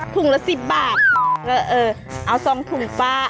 ถุงละสิบบาทแต่เออเอาสองถุงป่า